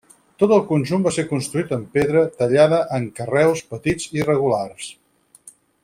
Tot el conjunt va ser construït amb pedra, tallada en carreus petits i irregulars.